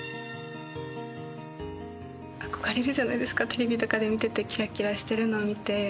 憧れるじゃないですかテレビとかで見てきらっきらしてるの見て。